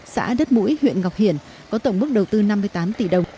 xã đất mũi huyện ngọc hiển có tổng mức đầu tư năm mươi tám tỷ đồng